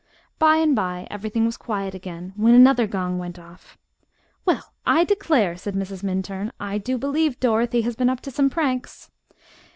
By and by everything was quiet again, when another gong went off. "Well, I declare!" said Mrs. Minturn. "I do believe Dorothy has been up to some pranks."